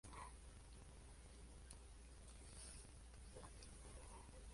Es una comunidad urbana y la más poblada del municipio.